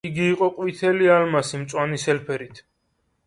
იგი იყო ყვითელი ალმასი მწვანის ელფერით.